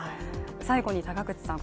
最後に高口さん